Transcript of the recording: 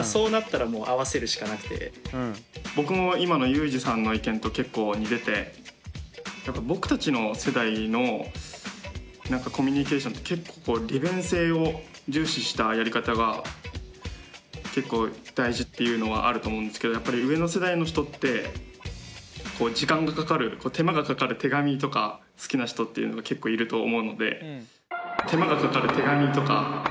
僕も今のゆうじさんの意見と結構似ててやっぱ僕たちの世代のコミュニケーションって結構利便性を重視したやり方が結構大事っていうのはあると思うんですけどやっぱり上の世代の人って時間がかかる手間がかかる手紙とか好きな人っていうのが結構いると思うので。